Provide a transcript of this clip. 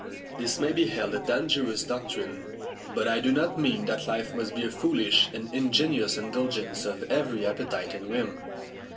This may be held a dangerous doctrine; but I do not mean that life must be a foolish and ingenuous indulgence of every appetite and whim.